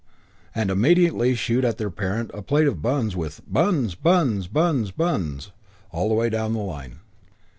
and immediately shoot at their parent a plate of buns with "Buns Buns Buns Buns" all down the line.